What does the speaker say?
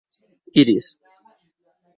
Iris.